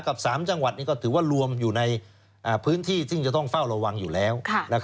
กับ๓จังหวัดนี้ก็ถือว่ารวมอยู่ในพื้นที่ซึ่งจะต้องเฝ้าระวังอยู่แล้ว